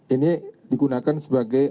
ini digunakan sebagai